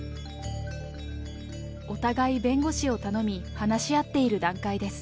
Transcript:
お互い弁護士を頼み、話し合っている段階です。